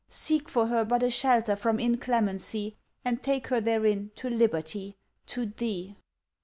Seek for her but a shelter from inclemency, and take her therein to liberty, to thee!